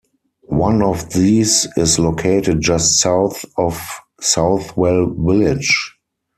One of these is located just south of Southwell village.